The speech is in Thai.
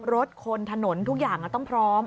รถคนถนนทุกอย่างต้องพร้อม